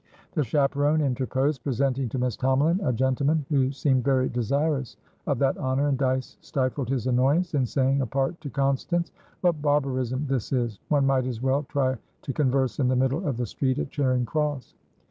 The chaperon interposed, presenting to Miss Tomalin a gentleman who seemed very desirous of that honour, and Dyce stifled his annoyance in saying apart to Constance: "What barbarism this is! One might as well try to converse in the middle of the street at Charing Cross."